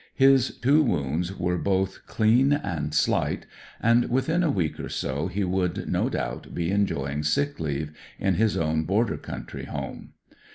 His two wounds were both clean and slight, and within a week or so he would, no doubt, be enjoy ing sick leave in his own Border country juDme.